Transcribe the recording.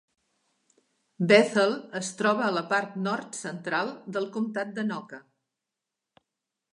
Bethel es troba a la part nord-central del comtat d'Anoka.